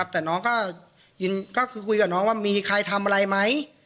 แต่น้องก็คือคุยกับน้องว่ามีใครทำอะไรไหม